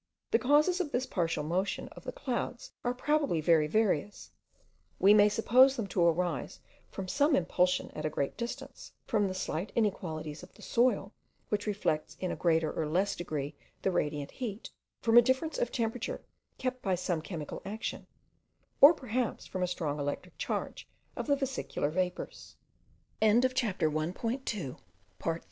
The causes of this partial motion of the clouds are probably very various; we may suppose them to arise from some impulsion at a great distance; from the slight inequalities of the soil, which reflects in a greater or less degree the radiant heat; from a difference of temperature kept up by some chemical action; or perhaps from a strong electric charge of the vesicular vapours. As we approached the town of Orotava, we met grea